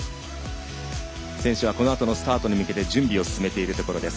選手はこのあとのスタートに向けて準備を進めているところです。